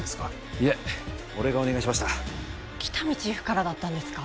いえ俺がお願いしました喜多見チーフからだったんですか？